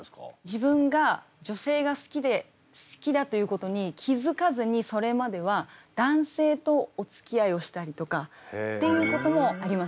自分が女性が好きだということに気付かずにそれまでは男性とおつきあいをしたりとかっていうこともありました。